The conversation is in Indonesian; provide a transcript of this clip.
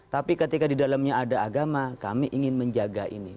tapi ketika di dalamnya ada agama kami ingin menjaga ini